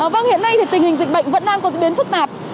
vâng hiện nay thì tình hình dịch bệnh vẫn đang có diễn biến phức tạp